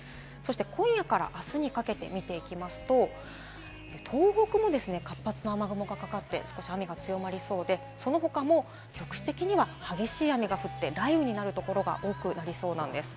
今夜からあすにかけて見ていきますと、東北の活発な雨雲がかかって雨が強まりそうで、その他も局地的には激しい雨が降って雷雨になるところが多くなりそうです。